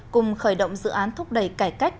cùng khởi động dự án thúc đẩy cải cách